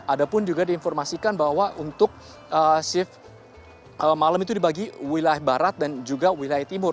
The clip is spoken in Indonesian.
ada pun juga diinformasikan bahwa untuk shift malam itu dibagi wilayah barat dan juga wilayah timur